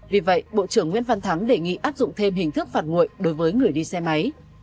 vì vậy bộ trưởng nguyễn văn thắng đề nghị áp dụng thêm hình thức phạt nguội đối với người đi xe máy